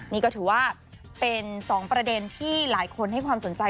นี่ก็ถือว่าเป็น๒ประเด็นที่หลายคนให้ความสนใจ